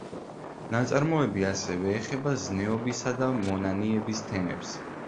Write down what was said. ნაწარმოები ასევე ეხება ზნეობისა და მონანიების თემებს.